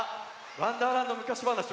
わんだーらんどむかしばなし